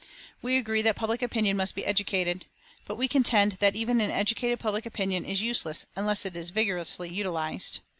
We agree that public opinion must be educated, but we contend that even an educated public opinion is useless unless it is vigorously utilised.